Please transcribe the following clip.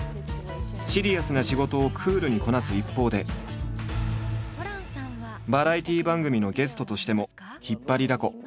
シリアスな仕事をクールにこなす一方でバラエティー番組のゲストとしても引っ張りだこ。